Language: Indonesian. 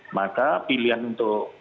maka pilihan untuk